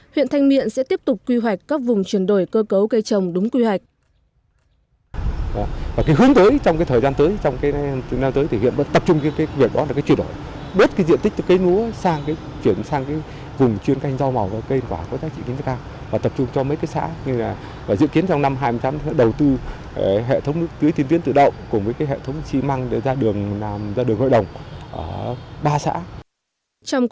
huyện thanh miện tỉnh hải dương đã chuyển đổi được hơn bốn trăm linh hectare đất cây ăn quả đã mang lại thu nhập cao cho bà con nông dân